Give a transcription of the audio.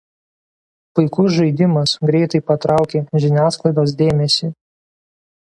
Puikus žaidimas greitai patraukė žiniasklaidos dėmesį.